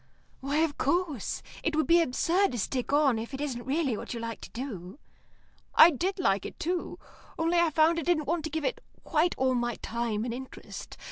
"Why, of course. It would be absurd to stick on if it isn't really what you like to do." "I did like it, too. Only I found I didn't want to give it quite all my time and interest.